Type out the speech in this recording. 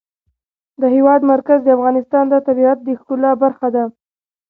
د هېواد مرکز د افغانستان د طبیعت د ښکلا برخه ده.